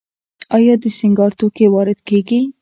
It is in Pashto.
آیا د سینګار توکي وارد کیږي؟